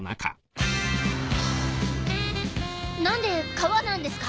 何で川なんですか？